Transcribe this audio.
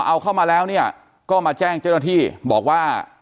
เอาเข้ามาแล้วเนี่ยก็มาแจ้งเจ้าหน้าที่บอกว่า